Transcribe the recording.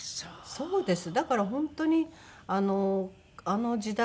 そうですね。